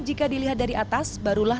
membah islands area